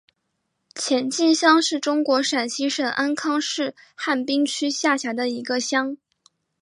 前进乡是中国陕西省安康市汉滨区下辖的一个乡。